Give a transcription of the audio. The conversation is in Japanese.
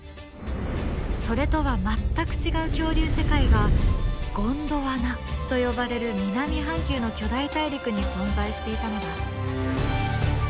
それとは全く違う恐竜世界が「ゴンドワナ」と呼ばれる南半球の巨大大陸に存在していたのだ。